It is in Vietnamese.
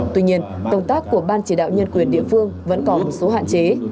tuy nhiên công tác của ban chỉ đạo nhân quyền địa phương vẫn có một số hạn chế